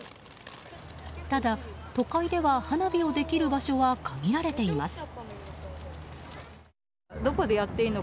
ただ、都会では花火をできる場所は限られています。